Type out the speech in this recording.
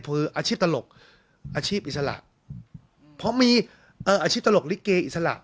คืออาชีพตลกอาชีพอิสระเพราะมีเอ่ออาชีพตลกลิเกอิสระ